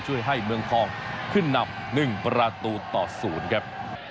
ช่วยให้เมืองทองขึ้นนำ๑ประตูต่อ๐ครับ